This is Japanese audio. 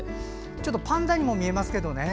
ちょっとパンダにも見えますけどね。